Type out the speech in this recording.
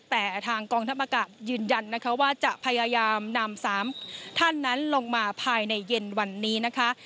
แต่ทางกองทัพอากาศยืนยันนะคะว่าจะพยายามนำ๓ท่านนั้นลงมาภายในเย็นวันนี้นะคะ